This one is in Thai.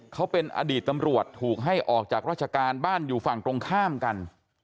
เขาเป็นอดีตตำรวจถูกให้ออกจากราชการบ้านอยู่ฝั่งตรงข้ามกัน